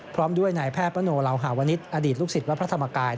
พร้อมด้วยนายแพทย์มโนลาวหาวนิษฐ์อดีตลูกศิษย์วัดพระธรรมกาย